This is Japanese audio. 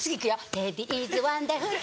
テディイズワンダフル